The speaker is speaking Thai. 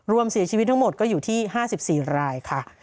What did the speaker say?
รวมเสียชีวิตทั้งหมดก็อยู่ที่๕๔รายค่ะ